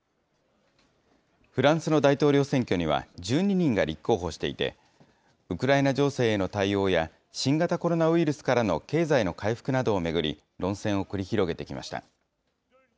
フランスの大統領選挙には、１２人が立候補していて、ウクライナ情勢への対応や新型コロナウイルスからの経済の回復などを巡り、論戦を繰り広げてきました。